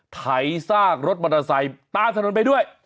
ไถซากรถมอเตอร์ไซค์ตามถนนไปด้วย